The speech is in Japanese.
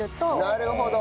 なるほど。